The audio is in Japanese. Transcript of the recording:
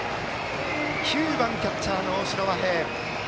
９番キャッチャーの大城和平。